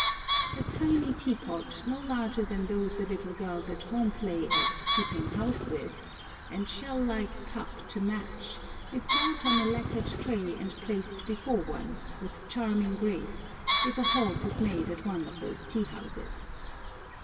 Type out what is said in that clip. A tiny teapot, no larger than those the little girls at home play at "keeping house" with, and shell like cup to match, is brought on a lacquered tray and placed before one, with charming grace, if a halt is made at one of these tea houses.